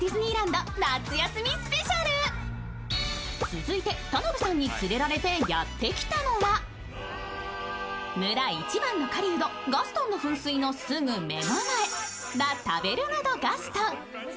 続いて田辺さんに連れられてやってきたのは、村一番の狩人・ガストンの噴水のすぐ目の前、ラ・タベルヌ・ド・ガストン。